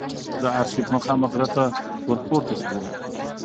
د آرشیف مخامخ غره ته ور پورته شوو.